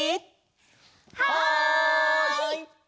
はい！